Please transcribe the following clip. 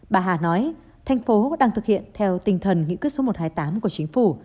bà hà nói thành phố đang thực hiện theo tinh thần nghị quyết số một trăm hai mươi tám của chính phủ